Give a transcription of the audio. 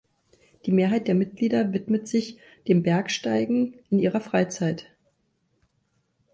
Die Mehrheit der Mitglieder widmet sich dem Bergsteigen in ihrer Freizeit.